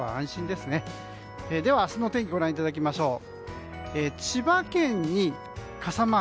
では、明日の天気ご覧いただきましょう。